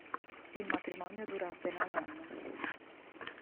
Il matrimonio dura appena un anno.